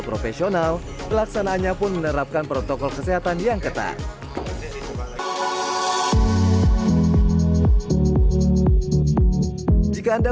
profesional pelaksanaannya pun menerapkan protokol kesehatan yang ketat jika anda